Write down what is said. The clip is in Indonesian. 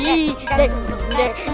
si bos ga akan kembali